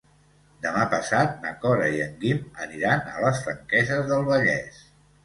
Demà passat na Cora i en Guim iran a les Franqueses del Vallès.